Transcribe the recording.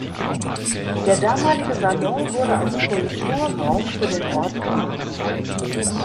Der damalige Salon wurde als Kulturraum für den Ort genutzt.